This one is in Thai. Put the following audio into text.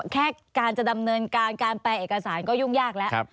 แค่การจะดำเนินการการแปลเอกสารก็ยุ่งยากแล้ว